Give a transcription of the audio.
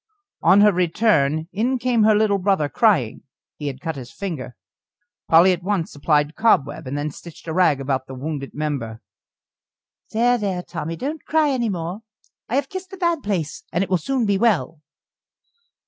On her return, in came her little brother crying he had cut his finger. Polly at once applied cobweb, and then stitched a rag about the wounded member. "There, there, Tommy! don't cry any more. I have kissed the bad place, and it will soon be well."